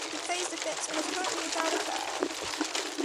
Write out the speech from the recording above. He plays defense, and is currently without a club.